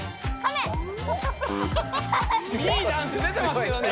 いいダンス出てますけどね。